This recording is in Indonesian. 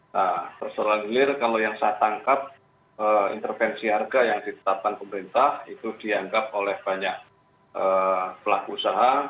nah persoalan hilir kalau yang saya tangkap intervensi harga yang ditetapkan pemerintah itu dianggap oleh banyak pelaku usaha